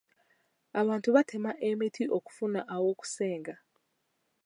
Abantu batema emiti okufuna aw'okusenga.